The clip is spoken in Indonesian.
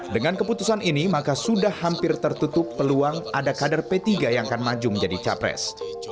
dengan keputusan ini maka sudah hampir tertutup peluang ada kader p tiga yang akan maju menjadi capres